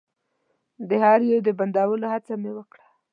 د هر يو د بندولو هڅه مې وکړه.